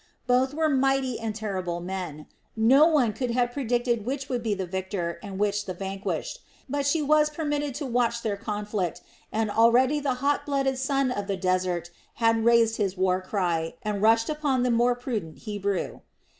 Both were mighty and terrible men. No one could have predicted which would be the victor and which the vanquished; but she was permitted to watch their conflict, and already the hot blooded son of the desert had raised his war cry and rushed upon the more prudent Hebrew.